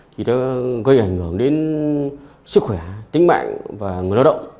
thì nó gây ảnh hưởng đến sức khỏe tính mạng và người lao động